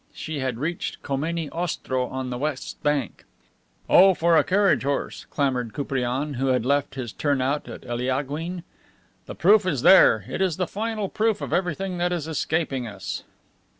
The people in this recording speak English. She had reached Kameny Ostrow on the west bank. "Oh, for a carriage, a horse!" clamored Koupriane, who had left his turn out at Eliaguine. "The proof is there. It is the final proof of everything that is escaping us!"